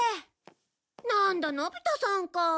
なんだのび太さんか。